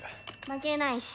負けないし。